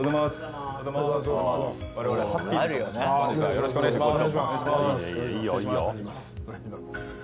よろしくお願いします。